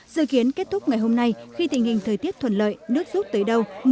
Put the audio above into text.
dự kiến kết thúc ngày hôm nay khi tình hình thời tiết thuần lợi nước rút tới đâu